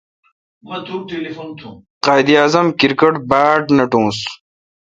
قائد اعظم کرکٹ باڑ نکوس۔